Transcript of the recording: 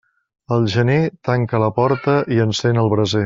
Al gener, tanca la porta i encén el braser.